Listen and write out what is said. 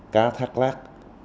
cá thác lát